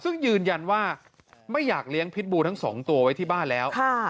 ซึ่งยืนยันว่าไม่อยากเลี้ยงพิษบูทั้งสองตัวไว้ที่บ้านแล้ว